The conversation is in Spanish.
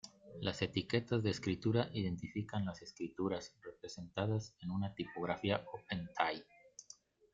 Las etiquetas de escritura identifican las escrituras representadas en una tipografía OpenType.